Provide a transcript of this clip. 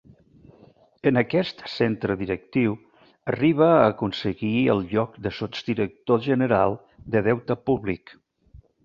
En aquest centre directiu arriba a aconseguir el lloc de sotsdirector general de Deute Públic.